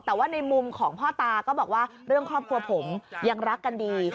แต่ว่าในมุมของพ่อตาก็บอกว่าเรื่องครอบครัวผมยังรักกันดี